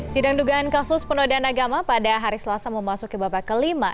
sidang dugaan kasus penodaan agama pada hari selasa memasuki babak kelima